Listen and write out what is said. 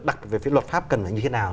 đặc về phía luật pháp cần là như thế nào